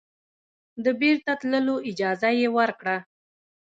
د بیرته تللو اجازه یې ورکړه.